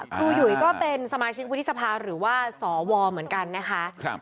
หยุยก็เป็นสมาชิกวุฒิสภาหรือว่าสวเหมือนกันนะคะ